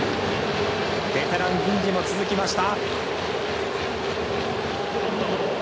ベテラン銀次も続きました。